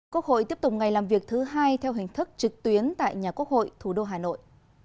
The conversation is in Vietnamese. quốc hội tiếp tục ngày làm việc thứ hai theo hình thức trực tuyến tại nhà quốc hội thủ đô hà nội